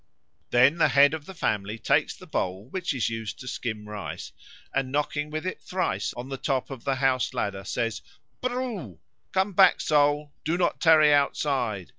Then the head of the family takes the bowl which is used to skim rice, and knocking with it thrice on the top of the houseladder says: "Prrrroo! Come back, soul, do not tarry outside!